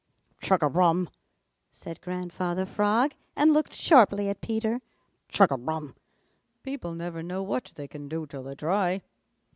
"Chug a rum!" said Grandfather Frog and looked sharply at Peter. "Chug a rum! People never know what they can do till they try.